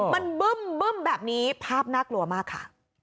มันบึ้มแบบนี้ภาพน่ากลัวมากค่ะ